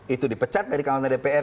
itu dipecat dari kawanan dpr